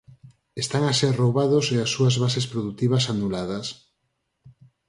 Están a ser roubados e as súas bases produtivas anuladas.